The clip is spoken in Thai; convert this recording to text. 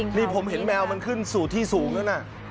นี่ผมเห็นแมวมันขึ้นสู่ที่สูงนั่นน่ะ